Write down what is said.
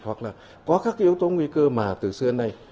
hoặc là có các yếu tố nguy cơ mà từ xưa đến nay